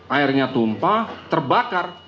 airnya tumpah terbakar